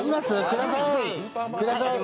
ください